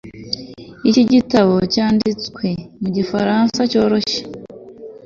iki gitabo cyanditswe mu gifaransa cyoroshye